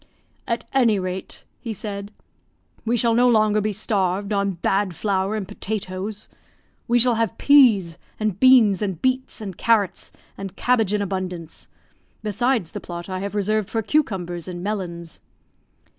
"At any rate," he said, "we shall no longer be starved on bad flour and potatoes. We shall have peas, and beans, and beets, and carrots, and cabbage in abundance; besides the plot I have reserved for cucumbers and melons."